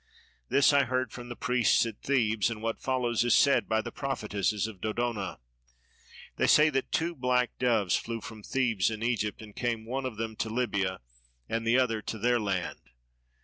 This I heard from the priests at Thebes, and what follows is said by the prophetesses of Dodona. They say that two black doves flew from Thebes in Egypt, and came one of them to Libya and the other to their land.